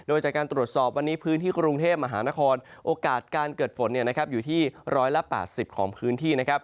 โอกาสการเกิดฝนอยู่ที่๑๘๐ของพื้นที่